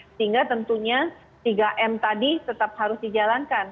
sehingga tentunya tiga m tadi tetap harus dijalankan